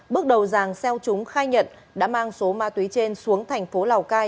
bước đầu giàng xeo trúng khai nhận đã mang số ma túy trên xuống thành phố lào cai